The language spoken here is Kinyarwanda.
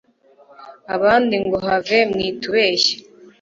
abandi ngo have mwitubeshya